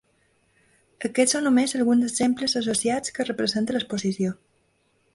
Aquests són només alguns dels exemples d’associacions que presenta l’exposició.